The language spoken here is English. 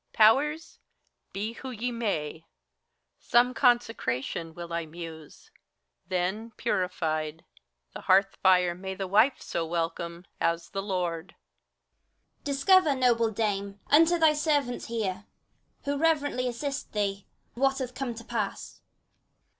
Powers, be who ye may ! Some consecration will I muse : then, purified. The hearth fire may the wife so welcome, as the lord. LEADER OF THE CHORUS. Discover, noble Dame, unto thy servants here, Who reverently assist thee, what hath come to pass.